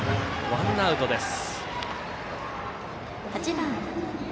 ワンアウトです。